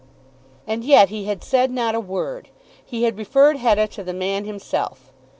And yet he had said not a word. He had referred Hetta to the man himself.